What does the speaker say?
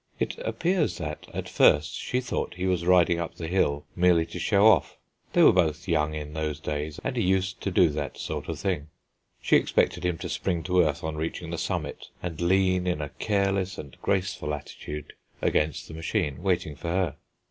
It appears that at first she thought he was riding up the hill merely to show off. They were both young in those days, and he used to do that sort of thing. She expected him to spring to earth on reaching the summit, and lean in a careless and graceful attitude against the machine, waiting for her.